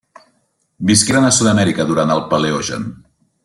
Visqueren a Sud-amèrica durant el Paleogen.